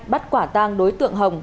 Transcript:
bắt quả tàng đối tượng hồng